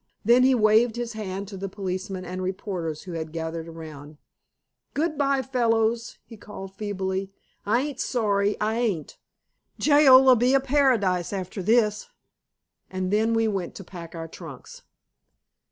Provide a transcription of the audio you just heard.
Then he waved his hand to the policemen and reporters who had gathered around. "Goodby, fellows," he called feebly. "I ain't sorry, I ain't. Jail'll be a paradise after this." And then we went to pack our trunks.